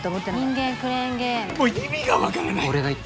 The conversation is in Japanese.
もう意味が分からない。